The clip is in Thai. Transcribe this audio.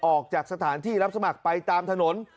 ออกจากสถานที่รับสมัครไปตามถนน